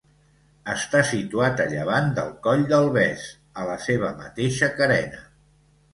Està situat a llevant del Coll del Bes, a la seva mateixa carena.